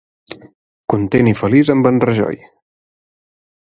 Content i feliç amb en Rajoy.